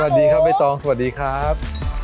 สวัสดีครับใบตองสวัสดีครับ